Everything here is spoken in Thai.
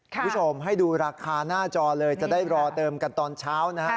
คุณผู้ชมให้ดูราคาหน้าจอเลยจะได้รอเติมกันตอนเช้านะฮะ